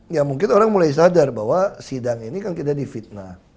ya mungkin orang mulai sadar bahwa sidang ini kan kita di fitnah